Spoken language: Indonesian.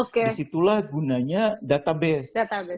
disitulah gunanya database